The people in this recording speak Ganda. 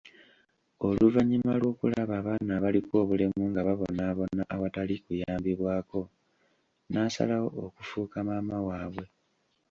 Oluvannyuma lw'okulaba abaana abaliko obulemu nga babonabona awatali kuyambibwako, n'asalawo okufuuka maama waabwe.